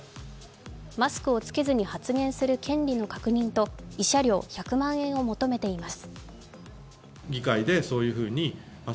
マスクを着けずに発言する権利の確認と慰謝料１００万円を求めています。